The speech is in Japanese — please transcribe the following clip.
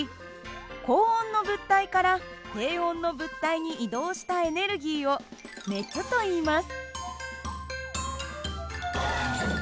高温の物体から低温の物体に移動したエネルギーを熱といいます。